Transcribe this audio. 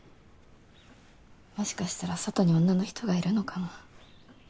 もしかしたら外に女の人がいるのかな。